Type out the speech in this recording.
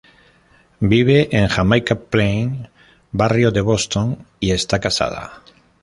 Vive en Jamaica Plain, barrio de Boston, y está casada.